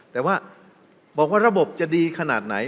แต่ว่าบอกว่าระบบจะดีขนาดไหน